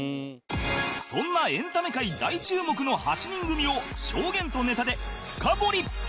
そんなエンタメ界大注目の８人組を証言とネタで深掘り